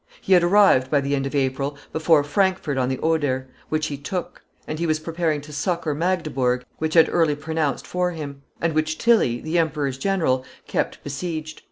He had arrived, by the end of April, before Frankfurt on the Oder, which he took; and he was preparing to succor Magdeburg, which had early pronounced for him, and which Tilly, the emperor's general, kept besieged.